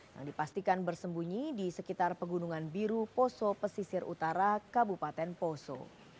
yang dipastikan bersembunyi di sekitar pegunungan biru poso pesisir utara kabupaten poso